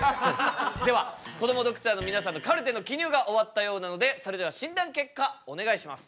ではこどもドクターの皆さんのカルテの記入が終わったようなのでそれでは診断結果お願いします。